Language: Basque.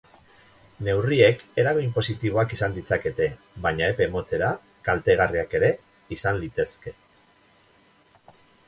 Neurriek eragin positiboak izan ditzakete, baina epe motzera kaltegarriak ere izan litezke.